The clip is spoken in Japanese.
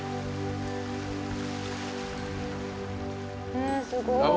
えすごい。